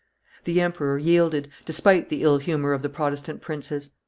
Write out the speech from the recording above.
The emperor yielded, despite the ill humor of the Protestant princes.